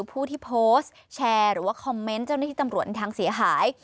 ผู้ที่โพสต์แชร์หรือว่าคอมเมนต์เจ้าหน้าที่ตำรวจในทางเสียหาย